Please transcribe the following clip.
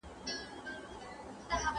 ¬ د زرو قدر زرگر لري.